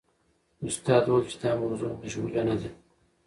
استاد وویل چې دا موضوع مجهوله نه ده.